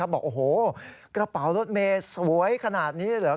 บอกโอ้โหกระเป๋ารถเมย์สวยขนาดนี้เลยเหรอ